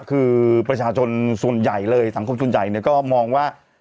คือประชาชนส่วนใหญ่เลยสังคมส่วนใหญ่เนี่ยก็มองว่า